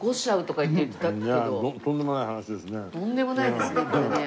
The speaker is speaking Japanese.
とんでもないですねこれね。